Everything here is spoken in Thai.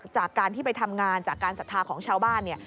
จากการที่ไปทำงานจากการศรัทธาของชาวบ้านเนี่ย